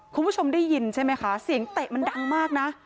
คุณผู้ชมได้ยินใช่ไหมคะเสียงเตะมันดังมากนะ